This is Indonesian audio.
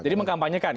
jadi mengkampanyekan ya